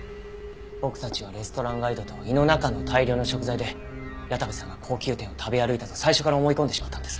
僕たちはレストランガイドと胃の中の大量の食材で矢田部さんが高級店を食べ歩いたと最初から思い込んでしまったんです。